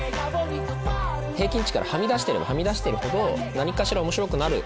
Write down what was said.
平均値からはみ出してればはみ出してるほど何かしら面白くなる。